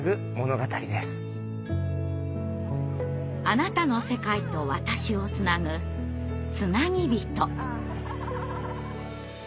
あなたの世界と私をつなぐつなぎびと。